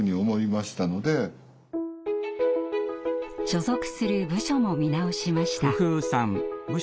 所属する部署も見直しました。